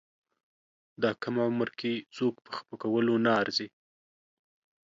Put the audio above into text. دا کم عمر کې څوک په خپه کولو نه ارزي.